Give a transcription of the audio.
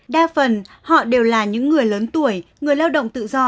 đa phần họ đều là những người lớn tuổi người lao động tự do